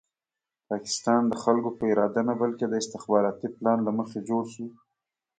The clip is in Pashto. پاکستان د خلکو په اراده نه بلکې د استخباراتي پلان له مخې جوړ شو.